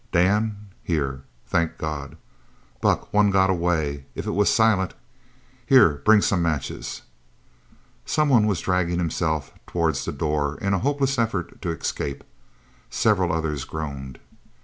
"Dan!" "Here!" "Thank God!" "Buck, one got away! If it was Silent Here! Bring some matches." Someone was dragging himself towards the door in a hopeless effort to escape. Several others groaned.